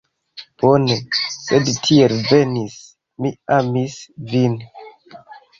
Bone, sed tiel venis, mi amis vin